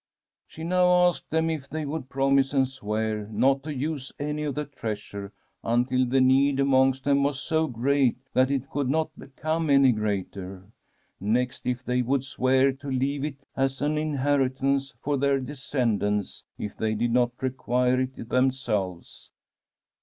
'" She now asked them if they would promise and swear not to use any of the treasure until the need amongst them was so great that it could not become any greater. Next, if they would swear to leave it as an inheritance for their de scendants, if they did not require it themselves.